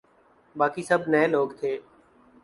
باقی سب نئے لوگ تھے۔